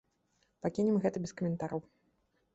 Пакінем гэта без каментараў.